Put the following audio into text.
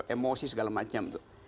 emosi segala macam itu